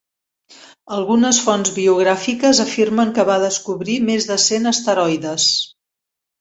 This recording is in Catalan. Algunes fonts biogràfiques afirmen que va descobrir més de cent asteroides.